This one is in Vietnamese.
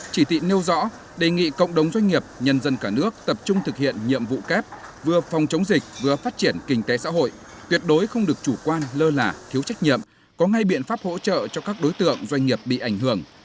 chỉ thị nêu rõ đề nghị cộng đồng doanh nghiệp nhân dân cả nước tập trung thực hiện nhiệm vụ kép vừa phòng chống dịch vừa phát triển kinh tế xã hội tuyệt đối không được chủ quan lơ là thiếu trách nhiệm có ngay biện pháp hỗ trợ cho các đối tượng doanh nghiệp bị ảnh hưởng